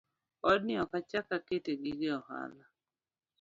Odni ok achak akete gige ohanda